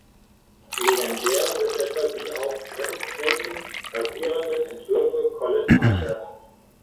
Legendär sind etwa die auf Rettungsbooten basierenden Entwürfe Colin Archers.